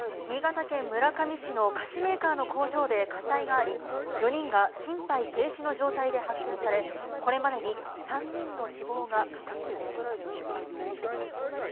新潟県村上市の菓子メーカーの工場で火災があり、４人が心肺停止の状態で発見され、これまでに３人の死亡が確認されています。